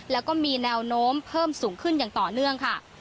แล้วก็มีแนวโน้มเพิ่มสูงขึ้นอย่างต่อเนื่องค่ะ